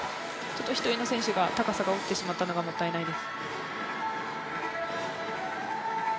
１人の選手が高さが落ちてしまったのがもったいないです。